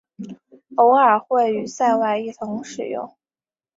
偶尔会与塞外一同使用。